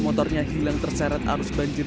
motornya mogok hingga terbawa arus banjir